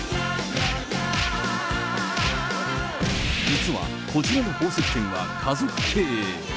実はこちらの宝石店は家族経営。